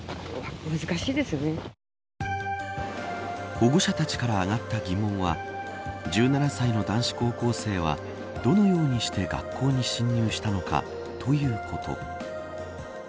保護者たちから挙がった疑問は１７歳の男子高校生はどのようにして学校に侵入したのかということ。